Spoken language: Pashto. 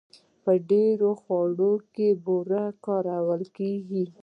په ډېرو خوړو کې بوره کارېږي.